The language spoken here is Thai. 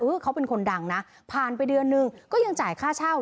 เขาเป็นคนดังนะผ่านไปเดือนนึงก็ยังจ่ายค่าเช่า